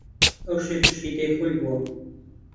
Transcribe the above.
ئەو شێت و شەیدای خۆی بووە